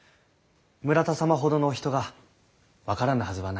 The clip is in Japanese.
村田様ほどのお人が分からぬはずはないと。